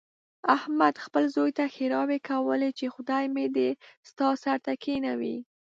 احمد خپل زوی ته ښېراوې کولې، چې خدای مې دې ستا سر ته کېنوي.